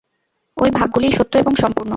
ঐ ভাবগুলিই সত্য এবং সম্পূর্ণ।